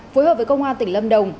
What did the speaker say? phối hợp với công an tỉnh lâm đồng